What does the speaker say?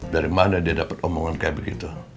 dari mana dia dapat omongan kayak begitu